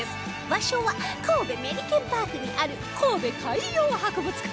場所は神戸メリケンパークにある神戸海洋博物館